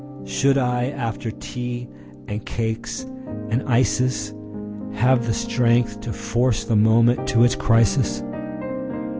Should I, after tea and cakes and ices, Have the strength to force the moment to its crisis?